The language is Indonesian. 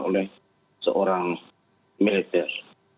oleh seorang militer